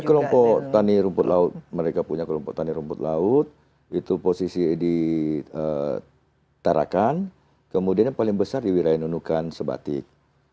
ya kelompok tani rumput laut mereka punya kelompok tani rumput laut itu posisi ditarakan kemudian yang paling besar diwirain unukan sebatik